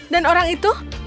dan orang itu